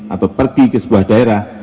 atau pergi ke sebuah daerah